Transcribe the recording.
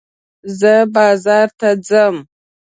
زه بازار ته ځم.